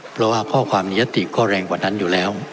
เพราะว่าข้อความในยติก็แรงกว่านั้นอยู่แล้ว